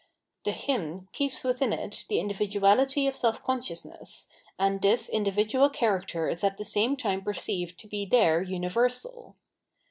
The hymn keeps witlm it the iadividuality of self consciousness, and this in dividual character is at the same tune perceived to be there universal.